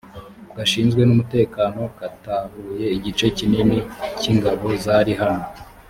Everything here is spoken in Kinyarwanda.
gashinzwe umutekano katahuye igice kinini k ingabo zari hano